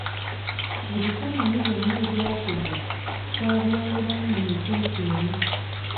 Ebifaananyi byonna ebyakubwa twabyawulamu mu miteeko ena.